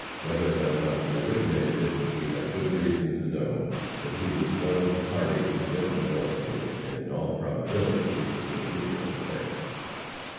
Whether or not he originated it, we have good reason to know that he was one of the parties who went to Northfield, and in all probability he was the leader of the band.